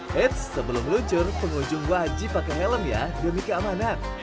eits sebelum luncur pengunjung wajib pakai helm ya demi keamanan